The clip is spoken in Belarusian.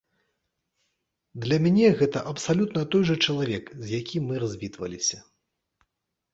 Для мяне гэта абсалютна той жа чалавек, з якім мы развітваліся.